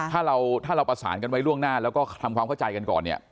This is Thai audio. ถ้าเราถ้าเราประสานกันไว้ล่วงหน้าแล้วก็ทำความเข้าใจกันก่อนเนี่ย